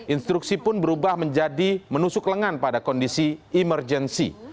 instruksi pun berubah menjadi menusuk lengan pada kondisi emergensi